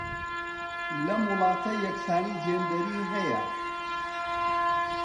لەم وڵاتە یەکسانیی جێندەری هەیە.